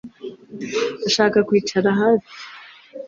Ndashaka kwicara hafi